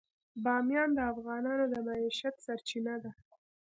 بامیان د افغانانو د معیشت سرچینه ده.